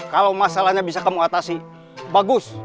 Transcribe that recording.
kalau masalahnya bisa kamu atasi bagus